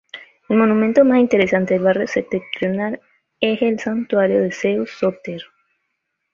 El monumento más interesante del barrio septentrional es el santuario de Zeus Sóter.